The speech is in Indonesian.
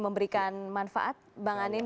memberikan manfaat bang anin